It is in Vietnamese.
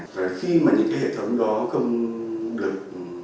và khi mà những hệ thống đó không được